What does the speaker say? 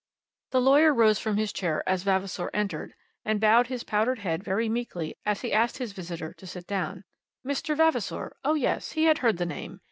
The lawyer rose from his chair as Vavasor entered, and bowed his powdered head very meekly as he asked his visitor to sit down. "Mr. Vavasor; oh, yes. He had heard the name.